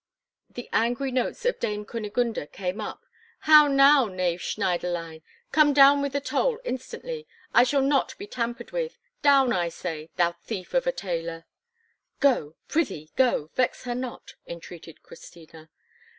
The angry notes of Dame Kunigunde came up: "How now, knave Schneiderlein! Come down with the toll instantly. It shall not be tampered with! Down, I say, thou thief of a tailor." "Go; prithee go, vex her not," entreated Christina.